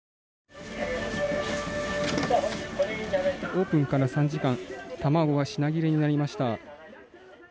オープンから３時間卵が品切れになりました。